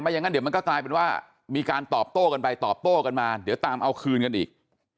อย่างนั้นเดี๋ยวมันก็กลายเป็นว่ามีการตอบโต้กันไปตอบโต้กันมาเดี๋ยวตามเอาคืนกันอีก